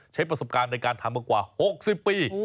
ใช้ประสบการณ์ในการทำมากว่า๖๐ปี